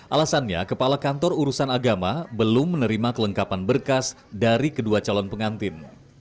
alasannya kepala kantor urusan agama belum menerima kelengkapan berkas dari kedua calon pengantin